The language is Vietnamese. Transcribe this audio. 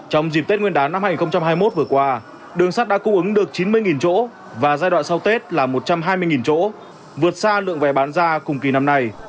trong dịp tết nguyên đán năm hai nghìn hai mươi một vừa qua đường sắt đã cung ứng được chín mươi chỗ và giai đoạn sau tết là một trăm hai mươi chỗ vượt xa lượng vé bán ra cùng kỳ năm nay